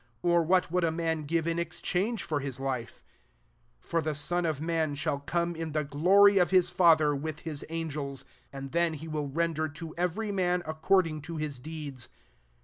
or what would a man give in exchange for his life ? 27 For the Son of man shall come, in the glory of his Father, with his angels; and then he will render to every man according to his deeds.